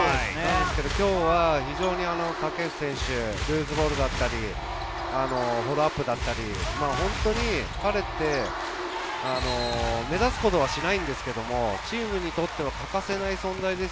でも今日は、竹内選手、ルーズボールだったりフォローアップだったり、彼って目立つことはしないんですが、チームにとってのは欠かせない存在です。